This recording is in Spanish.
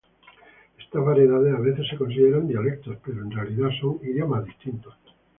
Estas variedades a veces se consideran dialectos, pero en realidad son idiomas distintos.